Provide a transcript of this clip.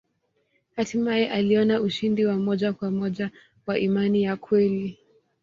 Hatimaye aliona ushindi wa moja kwa moja wa imani ya kweli.